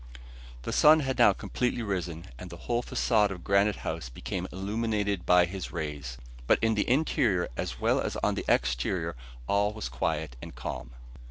The sun had now completely risen, and the whole façade of Granite House became illuminated by his rays; but in the interior as well as on the exterior all was quiet and calm.